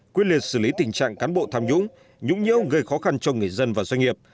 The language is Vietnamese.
quyết liệt xử lý tình trạng cán bộ tham nhũng nhũng nhiễu gây khó khăn cho người dân và doanh nghiệp